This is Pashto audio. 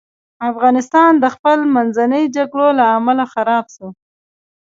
افغانستان د خپل منځي جګړو له امله خراب سو.